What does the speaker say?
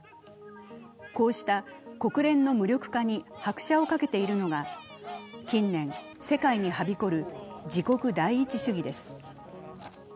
こうした国連の無力化に拍車をかけているのが近年、世界にはびこる自国第一主義です。